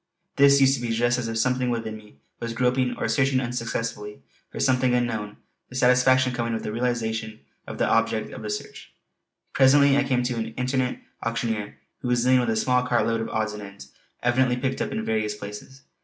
This used to be just as if something within me was groping or searching unsuccessfully for something unknown, the satisfaction coming with the realization of the objective of the search. Presently I came to an itinerant auctioneer who was dealing with a small cart load of odds and ends, evidently picked up in various places.